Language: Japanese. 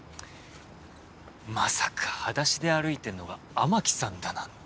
まさかはだしで歩いてるのが雨樹さんだなんて。